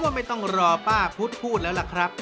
ผมว่าไม่ต้องรอป้าพูดแล้วล่ะครับ